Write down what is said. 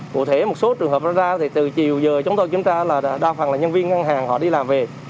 cụ thể một số trường hợp ra thì từ chiều giờ chúng tôi kiểm tra là đa phần là nhân viên ngân hàng họ đi làm về